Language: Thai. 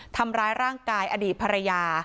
ทำร้ายร่างกายอดีตภรรยา